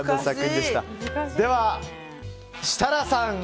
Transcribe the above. では、設楽さん。